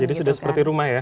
jadi sudah seperti rumah ya